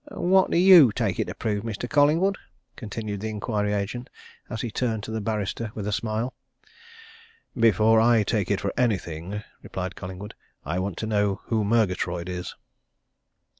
"What do you take it to prove, Mr. Collingwood?" continued the inquiry agent, as he turned to the barrister with a smile. "Before I take it for anything," replied Collingwood, "I want to know who Murgatroyd is."